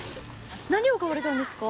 何を買われたんですか？